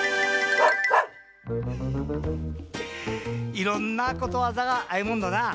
いろんなことわざがあるもんだなぁ。